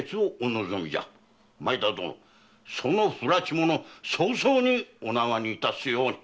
前田殿その不埒者早々にお縄に致すように！